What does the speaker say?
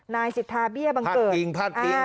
นายสิทธาเบี้ยบังเกิดพัดอิง